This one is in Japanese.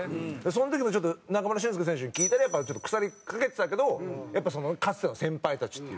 その時もちょっと中村俊輔選手に聞いたら「やっぱりちょっと腐りかけてたけどそのかつての先輩たち」っていう。